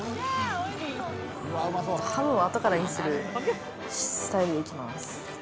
ハムは後からにするスタイルで行きます。